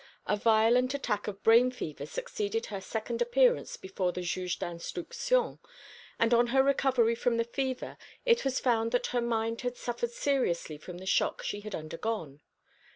A violent attack of brain fever succeeded her second appearance before the Juge d'Instruction, and on her recovery from the fever it was found that her mind had suffered seriously from the shock she had undergone.